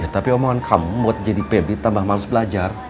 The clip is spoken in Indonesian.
tapi omongan kamu buat jadi pebit tambah males belajar